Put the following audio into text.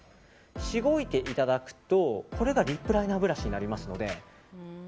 しごいていただくとこれがリップライナーブラシになりますので。